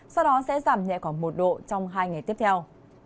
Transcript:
sau đó sẽ giảm nhẹ khoảng một độ trong hai ngày tiếp theo